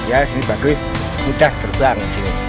ya ini bagus mudah terbang